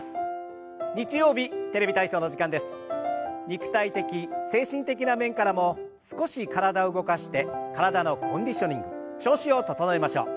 肉体的精神的な面からも少し体を動かして体のコンディショニング調子を整えましょう。